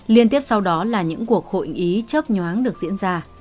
liên tiếp sau đó là những cuộc hội ý chấp nhoáng được diễn ra